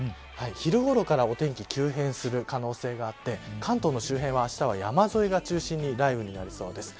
昼ごろからお天気急変する可能性があって関東の周辺は、あしたは山沿いが中心に雷雨になりそうです。